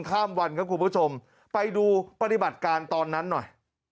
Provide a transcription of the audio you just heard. ข้ามวันครับคุณผู้ชมไปดูปฏิบัติการตอนนั้นหน่อย